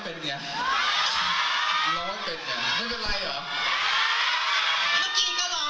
เมื่อกี๊ก้ล้อไม่เป็นเหมือนกัน